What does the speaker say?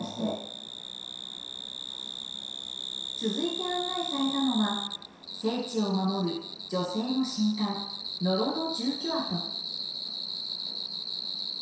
続いて案内されたのは聖地を守る女性の神官祝女の住居跡。